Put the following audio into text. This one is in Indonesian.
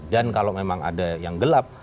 dan kalau memang ada yang gelap